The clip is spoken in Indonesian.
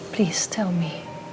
please beritahu aku